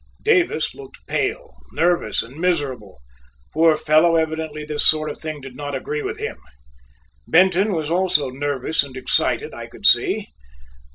Davis looked pale, nervous, and miserable. Poor fellow, evidently this sort of thing did not agree with him. Benton was also nervous and excited, I could see.